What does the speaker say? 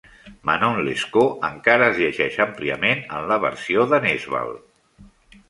"Manon Lescaut" encara es llegeix àmpliament en la versió de Nezval.